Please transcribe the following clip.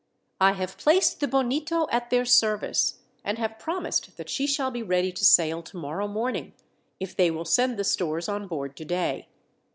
"I have placed the Bonito at their service, and have promised that she shall be ready to sail tomorrow morning, if they will send the stores on board today.